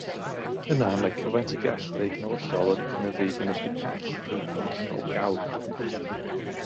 Yna mae cyfaint y gell ddeugnewyllol yn cynyddu i gynhyrchu cell ddeugnewyllol gawr.